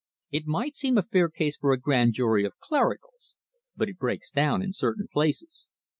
It might seem a fair case for a grand jury of clericals. But it breaks down in certain places.